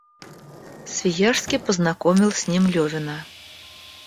Свияжский познакомил с ним Левина.